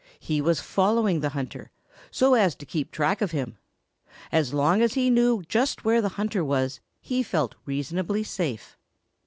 He was following the hunter, so as to keep track of him. As long as he knew just where the hunter was, he felt reasonably safe.